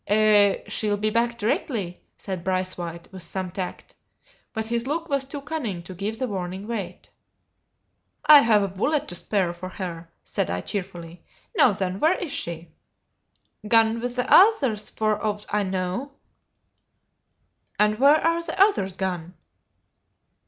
"Eh, she'll be back directly!" said Braithwaite, with some tact; but his look was too cunning to give the warning weight. "I've a bullet to spare for her," said I, cheerfully; "now, then, where is she?" "Gone wi' the oothers, for owt I knaw." "And where are the others gone?"